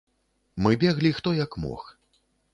Мы беглі хто як мог.